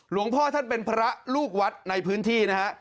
หลวงพ่อท่านเป็นพระลูกวัดในพื้นที่นะฮะ